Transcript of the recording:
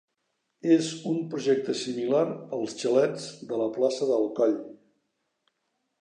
És un projecte similar als xalets de la plaça del Coll.